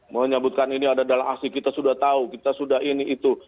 mau menyebutkan ini ada dalang aksi kita sudah tahu kita sudah ini itu